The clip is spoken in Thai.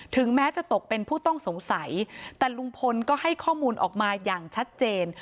ถึงแม้จะตกเป็นผู้ต้องสงสัยแต่ลุงพลก็ให้ข้อมูลออกมาอย่างชัดเจน